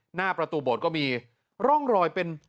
หน้าประตูโบสถก็มีร่องรอยเป็น